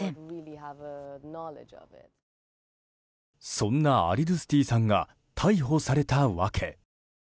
そんなアリドゥスティさんが逮捕された訳。